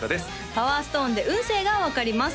パワーストーンで運勢が分かります